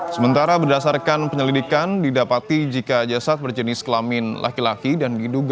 setelah perjalanan terlalu banyak jasad berstepan di jasad